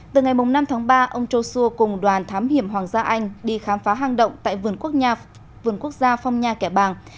từ ngày năm tháng ba ông châu sua cùng đoàn thám hiểm hoàng gia anh đi khám phá hang động tại vườn quốc gia phong nha kẻ bàng